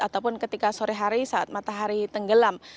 ataupun ketika sore hari saat matahari tenggelam